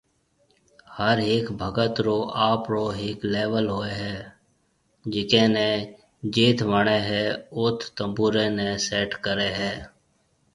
ھر ھيَََڪ ڀگت رو آپرو ھيَََڪ ليول ھوئي ھيَََ جڪي ني جيٿ وڻي ھيَََ اوٿ تنبوري ني سيٽ ڪري ھيَََ